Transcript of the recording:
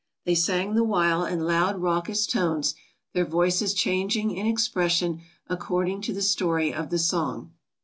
They sang the while in loud, raucous tones, their voices changing in ex pression according to the story of the song.